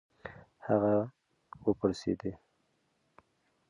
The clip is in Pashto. هغه و پړسېډی .